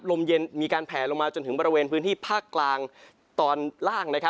ลมเย็นมีการแผลลงมาจนถึงบริเวณพื้นที่ภาคกลางตอนล่าง